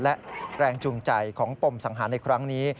และแรงจูงใจของปมสังหารในครั้งนี้